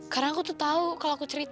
karena aku tuh tahu kalau aku cerita